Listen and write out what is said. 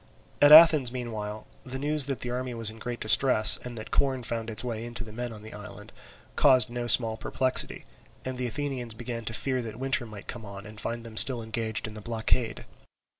At Athens, meanwhile, the news that the army was in great distress, and that corn found its way in to the men in the island, caused no small perplexity; and the Athenians began to fear that winter might come on and find them still engaged in the blockade.